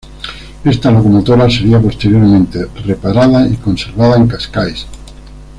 Esta locomotora sería, posteriormente, reparada y conservada en Cascais.